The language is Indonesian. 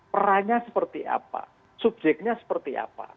perannya seperti apa subjeknya seperti apa